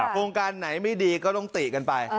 โครงการไหนไม่ดีก็ต้องติกันไป